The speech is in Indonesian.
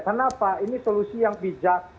kenapa ini solusi yang bijak